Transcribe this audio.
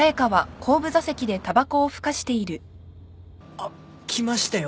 あっ来ましたよ